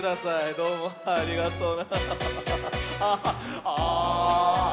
どうもありがとう。